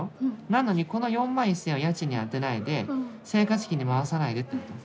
なのにこの４万１，０００円は家賃に充てないで生活費に回さないでってこと。